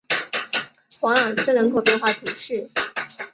瓦朗斯人口变化图示